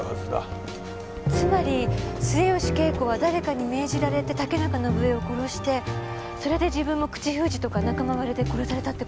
つまり末吉恵子は誰かに命じられて竹中伸枝を殺してそれで自分も口封じとか仲間割れで殺されたって事？